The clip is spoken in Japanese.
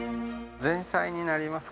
前菜になります。